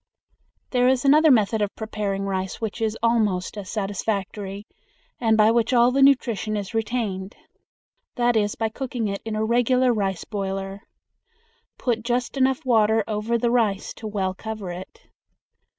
There is another method of preparing rice which is almost as satisfactory, and by which all the nutrition is retained. That is by cooking it in a regular rice boiler. Put just enough water over the rice to well cover it.